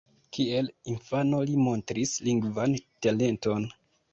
Kiel infano li montris lingvan talenton.